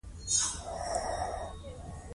د حاصل ښه ساتنه د اقتصادي زیان مخنیوی کوي.